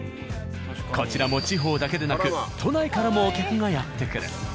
こちらも地方だけでなく都内からもお客がやって来る。